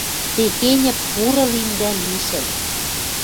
Техеньӹ пуры лин дӓ лишӹл